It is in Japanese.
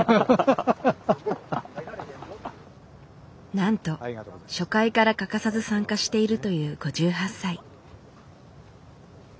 なんと初回から欠かさず参加しているという５８歳。